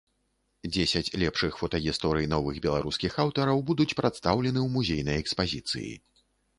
Дзесяць лепшых фотагісторый новых беларускіх аўтараў будуць прадстаўлены ў музейнай экспазіцыі.